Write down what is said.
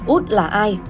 úc là ai